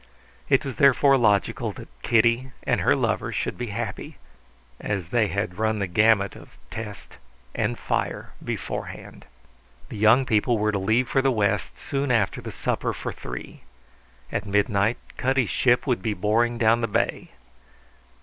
It was therefore logical that Kitty and her lover should be happy, as they had run the gamut of test and fire beforehand. The young people were to leave for the West soon after the supper for three. At midnight Cutty's ship would be boring down the bay.